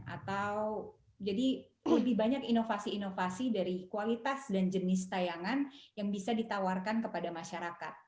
atau jadi lebih banyak inovasi inovasi dari kualitas dan jenis tayangan yang bisa ditawarkan kepada masyarakat